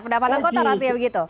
pendapatan kotor artinya begitu